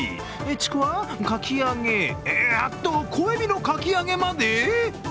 ちくわ、かき揚げ、小エビのかき揚げまで！？